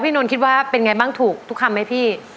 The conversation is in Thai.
นนท์คิดว่าเป็นไงบ้างถูกทุกคำไหมพี่